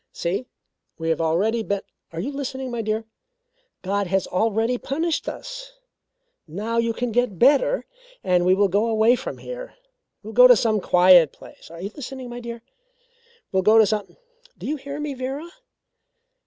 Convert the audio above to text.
"See; we have already been are you listening, my dear? God has already punished us now you can get better and we will go away from here. We will go to some quiet place. Are you listening, my dear? We will go to some do you hear me, Vera?